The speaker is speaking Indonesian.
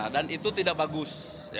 dan itu tidak bagus